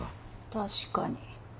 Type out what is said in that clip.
確かに。